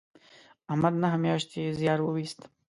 احمد نهه میاشتې زیار و ایست